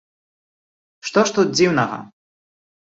Што ж тут дзіўнага?